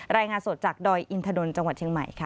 รายงานสดจากดอยอินทนนท์จังหวัดเชียงใหม่ค่ะ